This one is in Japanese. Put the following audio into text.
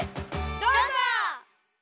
どうぞ！